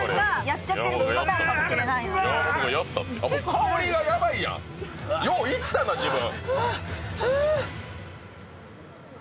香りがヤバいやん、よういったな、自分。